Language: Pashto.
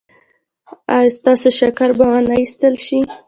ایا ستاسو شکر به و نه ویستل شي؟